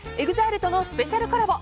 ＥＸＩＬＥとのスペシャルコラボ